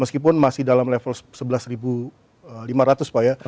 meskipun masih dalam level rp sebelas lima ratus pak ya